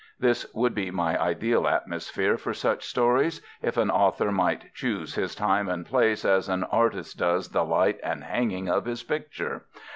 This would be my ideal atmosphere for such stories, if an author might choose his time and place as an artist does the light and hanging of his picture.